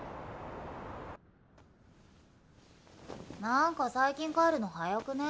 何か最近帰るの早くね？